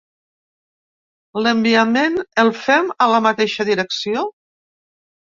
L'enviament el fem a la mateixa direcció?